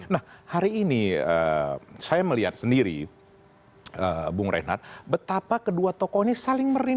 nah hari ini saya melihat sendiri bung reinhardt betapa kedua tokoh ini saling merindukan